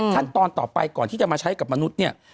ขั้นตอนต่อไปก่อนที่จะมาใช้กับมนุษย์เนี่ย